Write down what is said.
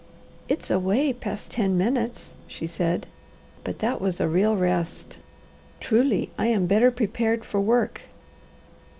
"It's away past ten minutes," she said, "but that was a real rest. Truly, I am better prepared for work."